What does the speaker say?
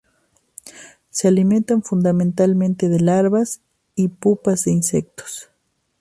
Se alimentan fundamentalmente de larvas y pupas de insectos.